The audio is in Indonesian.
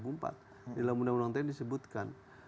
undang undang tni disebutkan